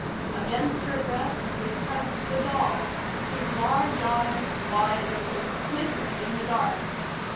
Against her breast was pressed the doll, whose large eyes, wide open, glittered in the dark.